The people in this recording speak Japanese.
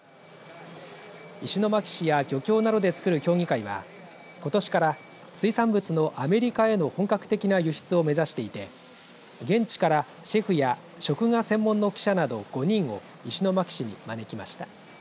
石巻市や漁協などで作る協議会はことしから水産物のアメリカへの本格的な輸出を目指していて現地からシェフや食が専門の記者など５人を石巻市に招きました。